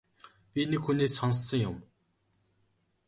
Би нэг хүнээс сонссон юм.